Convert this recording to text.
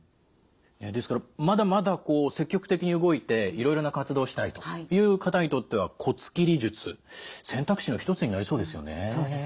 ですからまだまだ積極的に動いていろいろな活動をしたいという方にとっては骨切り術選択肢の一つになりそうですよね。